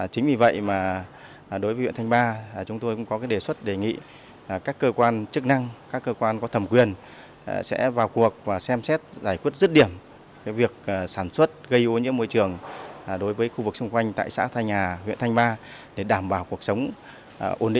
thưa quý vị trên địa bàn xã thanh hà huyện thanh hà tỉnh phú thọ lâu nay đã xảy ra tình trạng ô nhiễm môi trường do doanh nghiệp sản xuất tinh bột sắn xả thải gây ra